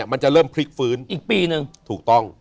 มันจะเริ่มพลิกฟื้นอีกปีหนึ่ง